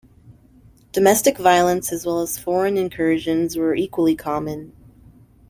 Domestic violence as well as foreign incursions were equally common.